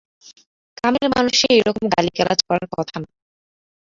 কামেল মানুষের এই রকম গালিগালাজ করার কথা না।